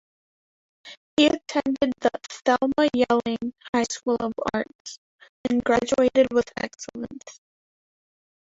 He attended the "Thelma Yellin" High school of arts, and graduated with excellence.